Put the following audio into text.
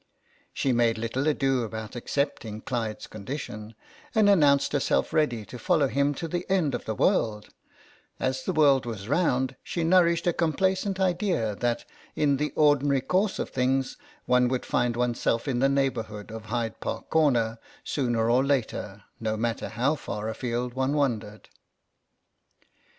She made little ado about accepting Clyde's condition, and announced herself ready to 7 98 CROSS CURRENTS follow him to the end of the world ; as the world was round she nourished a complacent idea that in the ordinary course of things one would find oneself in the neighbourhood of Hyde Park Corner sooner or later no matter how far afield one wandered.